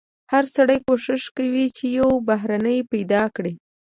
هر سړی کوښښ کوي یو بهرنی پیدا کړي.